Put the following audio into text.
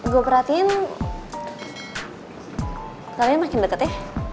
gue perhatiin kalian makin deket ya